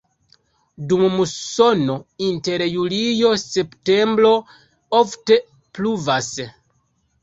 Dum musono inter julio-septembro ofte pluvas.